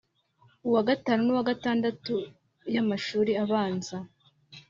uwa gatanu n’uwa gatandatu y’amashuri abanza